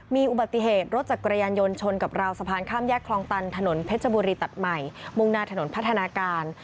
มีอุบัติเหตุรถจักรยานยนต์ชนกับราวสะพานข้ามแยกคลองตันถนนเพชรบุรีตัดใหม่มุ่งหน้าถนนพัฒนาการ